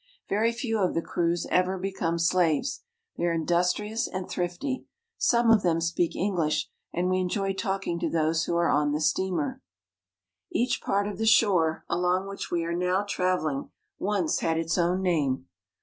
Very few of the Kroos ever become slaves. They are indus 1 trious and thrifty. Some of them speak English, and ^^^ we enjoy talking to those who are on the steamer, ^^H Each part of the shore, along which we are now travel ^^F ing, once had its own name.